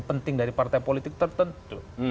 penting dari partai politik tertentu